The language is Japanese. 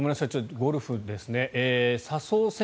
ゴルフですね。